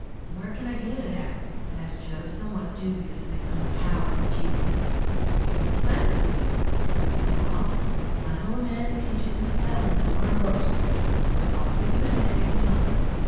"Where can I get it at?" asked Joe, somewhat dubious of his own power of achievement. "Night school," said the boss. "I know a man that teaches in the Settlement over on Burk Street. I'll put you in there if you like."